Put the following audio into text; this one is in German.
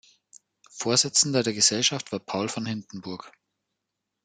Vorsitzender der Gesellschaft war Paul von Hindenburg.